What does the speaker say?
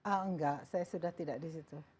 ah enggak saya sudah tidak disitu